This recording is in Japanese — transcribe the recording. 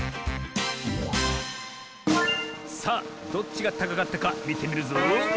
さあどっちがたかかったかみてみるぞ。